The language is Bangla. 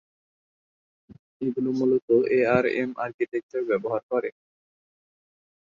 এগুলো মূলত এআরএম আর্কিটেকচার ব্যবহার করে।